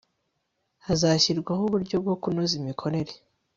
hazashyirwaho uburyo bwo kunoza imikorere